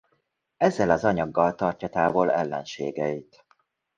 Ezzel az anyaggal tartja távol ellenségeit.